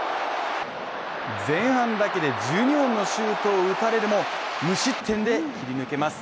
前半だけで１２本のシュート打たれるも無失点で切り抜けます